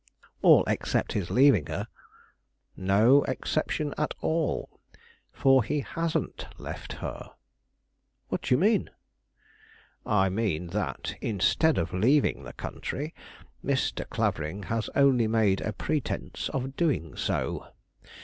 "All except his leaving her." "No exception at all; for he hasn't left her." "What do you mean?" "I mean that, instead of leaving the country, Mr. Clavering has only made pretence of doing so.